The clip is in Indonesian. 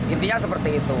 intinya seperti itu